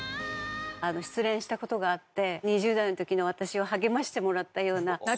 失恋した事があって２０代の時の私を励ましてもらったような。